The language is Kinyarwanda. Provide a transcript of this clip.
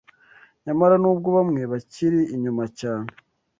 Nyamara nubwo bamwe bakiri inyuma cyane